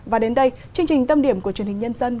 và đến đây chương trình tâm điểm của truyền hình nhân dân